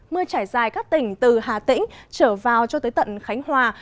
mưa trải dài các tỉnh từ hà tĩnh trở vào cho tới tận khánh hòa